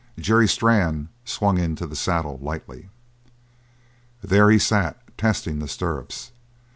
Jerry Strann swung into the saddle lightly. There he sat, testing the stirrups.